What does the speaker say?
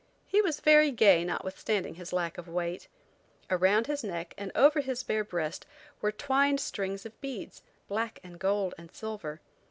He was very gay notwithstanding his lack of weight. Around his neck and over his bare breast were twined strings of beads, black and gold and silver.